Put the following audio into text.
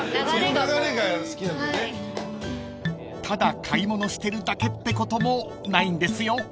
［ただ買い物してるだけってこともないんですよ］